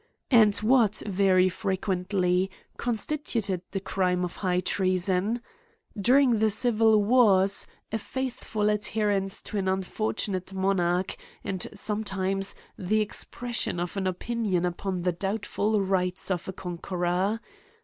And what, very frequently, constituted the crime of high treason ? During the civil wars, a faithful adherence to an unfortunate monarch ; and, sometimes, the expres sion of an opinion upon the doubtful rights of a conqueror.